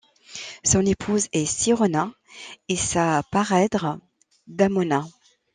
Son épouse est Sirona et sa parèdre Damona.